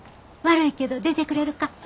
悪いけど出てくれるか？